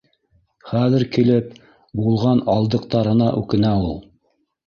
Хәҙер килеп булған алдыҡтарына үкенә ул